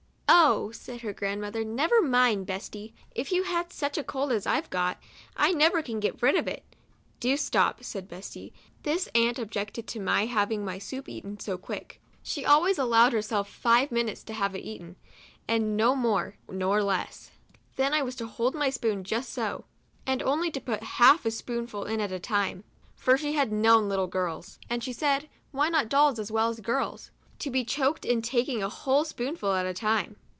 " Oh !" said her grand mother, " never mind, Betsy, if you had such a cold as I have got ; I never can get rid of it," " Do stop," said Betsy. This aunt objected to my having my soup eaten COUNTRY DOLL. 75 so quick ; she always allowed herself five minutes to have it eaten, and no more, nor less. Then I was to hold my spoon just so, and only to put half a spoonful in at a time, for she had known little girls (and she said, why not dolls as well as girls?) to be choked in taking a whole spoonful at a time.